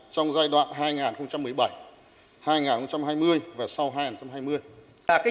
trong giai đoạn hai nghìn một mươi bảy hai nghìn hai mươi và sau hai nghìn hai mươi